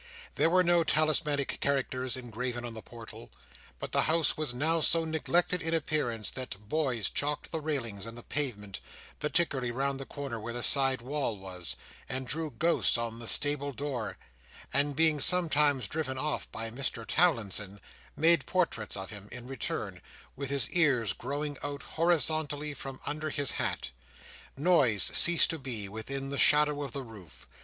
There were no talismanic characters engraven on the portal, but the house was now so neglected in appearance, that boys chalked the railings and the pavement—particularly round the corner where the side wall was—and drew ghosts on the stable door; and being sometimes driven off by Mr Towlinson, made portraits of him, in return, with his ears growing out horizontally from under his hat. Noise ceased to be, within the shadow of the roof.